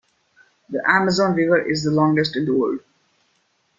The Amazon River is the longest in the world.